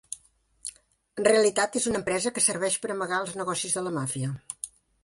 En realitat és una empresa que serveix per amagar els negocis de la màfia.